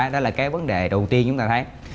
đó là cái vấn đề đầu tiên chúng ta thấy